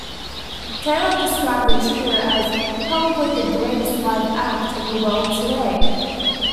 Taylor described the trio as "probably the greatest live act in the world today".